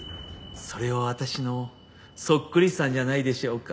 それは私のそっくりさんじゃないでしょうか？